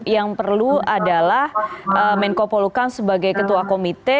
yang perlu adalah menkopolkan sebagai ketua komite